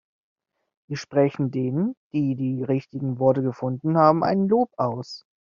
Wir sprechen denen, die die richtigen Worte gefunden haben, ein Lob aus.